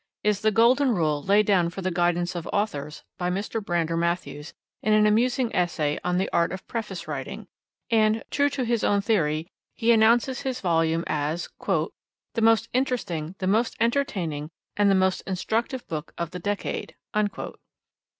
is the golden rule laid down for the guidance of authors by Mr. Brander Matthews in an amusing essay on the art of preface writing and, true to his own theory, he announces his volume as 'the most interesting, the most entertaining, and the most instructive book of the decade.'